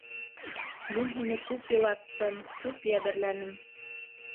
Мин һине күп илаттым, күп йәберләнем.